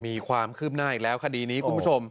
มีความคืบหน้าอีกแล้วคดีนี้คุณผู้ชม